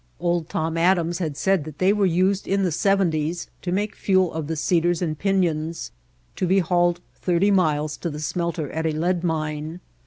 Old Tom Adams had said that they were used in the seventies to make fuel of the cedars and pifions, to be hauled thirty miles to the smelter at a lead mine.